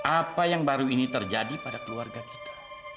apa yang baru ini terjadi pada keluarga kita